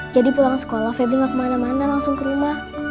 pulang sekolah febri gak kemana mana langsung ke rumah